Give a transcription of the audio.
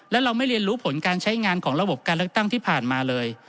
และเราไม่เรียนรู้ผลการใช้งานของระบบการเลือกตั้งที่ผ่านมาเลย